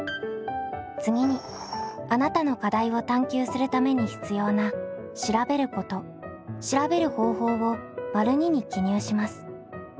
次にあなたの課題を探究するために必要な「調べること」「調べる方法」を②に記入します。